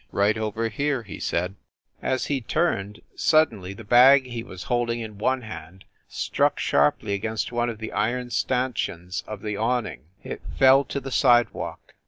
"Right over here," he said. As he turned suddenly the bag he was holding in one hand struck sharply against one of the iron stanchions of the awning. It fell to the sidewalk.